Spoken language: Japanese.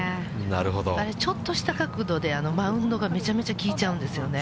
あれちょっとした角度で、バウンドがめちゃくちゃ効いちゃうんですよね。